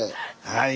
はい。